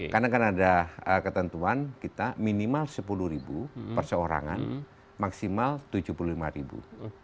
karena ada ketentuan kita minimal sepuluh ribu perseorangan maksimal tujuh puluh lima ribu